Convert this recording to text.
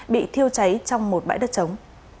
bị thiêu cháy trong một bãi đất chống